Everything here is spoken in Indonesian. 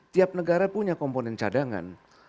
tiap negara punya komponen cadangan